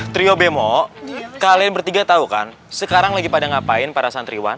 trio bemo kalian bertiga tahu kan sekarang lagi pada ngapain para santriwan